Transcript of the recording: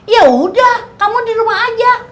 ya udah kamu di rumah aja